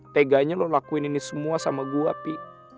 teganya lo lakuin ini semua sama gua pi